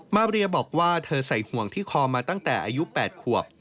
มาเรียบอกว่าเธอใส่ห่วงที่คอมาตั้งแต่อายุ๘ขวบ